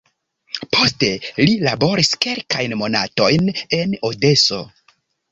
Poste li laboris kelkajn monatojn en Odeso.